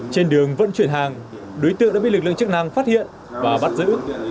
trên đường vận chuyển hàng đối tượng đã bị lực lượng chức năng phát hiện và bắt giữ